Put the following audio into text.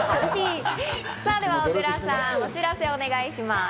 小椋さん、お知らせをお願いします。